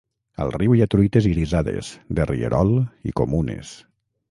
Al riu hi ha truites irisades, de rierol i comunes.